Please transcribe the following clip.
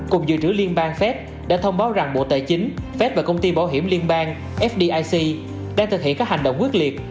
cục dự trữ liên bang fed đã thông báo rằng bộ tài chính fed và công ty bảo hiểm liên bang fdi đang thực hiện các hành động quyết liệt